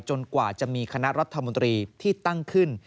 กว่าจะมีคณะรัฐมนตรีที่ตั้งขึ้น